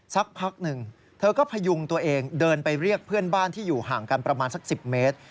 สักพักหนึ่งเธอก็พยุงตัวเองเดินไปเรียกเพื่อนบ้านที่อยู่ห่างกันประมาณสัก๑๐เมตร